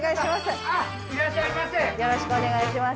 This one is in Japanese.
よろしくお願いします。